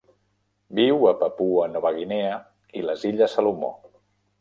Viu a Papua Nova Guinea i les Illes Salomó.